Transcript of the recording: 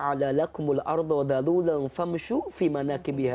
allah swt berfirman